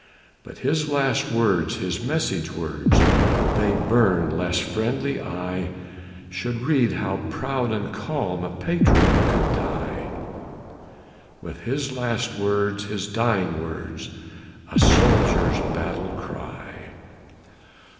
But his last words, his message words, They burn, lest friendly eye Should read how proud and calm A patriot could die, With his last words, his dying words, A soldier's battle cry.